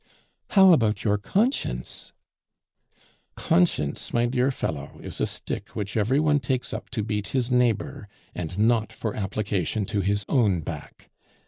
"How about your conscience?" "Conscience, my dear fellow, is a stick which every one takes up to beat his neighbor and not for application to his own back.